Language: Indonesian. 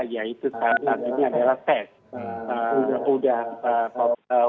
ya itu adalah tes